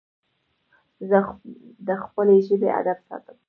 زه د خپلي ژبي ادب ساتم.